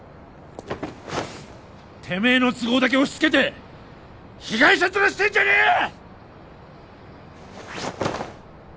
てめえの都合だけ押しつけて被害者ヅラしてんじゃねえよ！